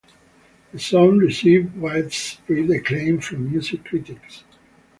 The song received widespread acclaim from music critics.